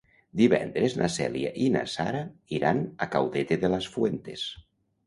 Divendres na Cèlia i na Sara iran a Caudete de las Fuentes.